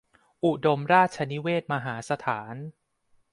อุดมราชนิเวศน์ มหาสถาน